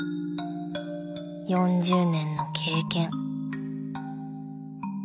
４０年の経験。